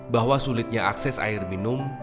bahwa sulitnya akses air minum